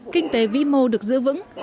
kinh tế vi mô được giữ vững